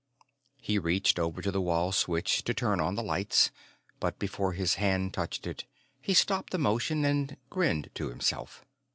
He reached over to the wall switch to turn on the lights, but before his hand touched it, he stopped the motion and grinned to himself.